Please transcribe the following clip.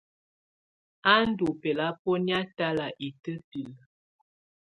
Á ndɔ́ bɛ́lábɔ́nɛ̀á talá itǝ́bilǝ.